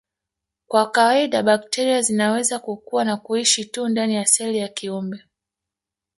Kwa kawaida bakteria zinaweza kukua na kuishi tu ndani ya seli ya kiumbe